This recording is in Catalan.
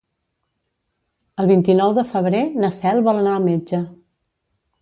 El vint-i-nou de febrer na Cel vol anar al metge.